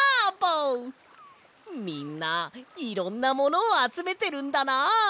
みんないろんなものをあつめてるんだな！